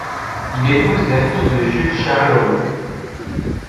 Il épouse la fille de Jules Charles-Roux.